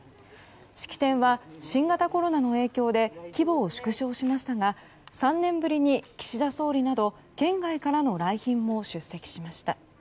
式典は新型コロナの影響で規模を縮小しましたが３年ぶりに岸田総理など県外からの来賓も出席しました。